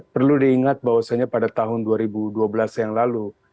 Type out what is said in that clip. perlu diingat bahwasannya pada tahun dua ribu dua belas yang lalu